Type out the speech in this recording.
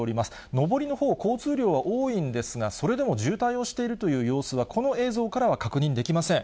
上りのほう、交通量は多いんですが、それでも渋滞をしているという様子は、この映像からは確認できません。